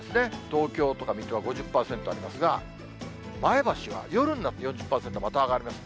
東京とか水戸は５０％ありますが、前橋は夜になって４０％、また上がります。